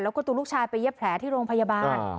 แล้วก็ตัวลูกชายไปเย็บแผลที่โรงพยาบาล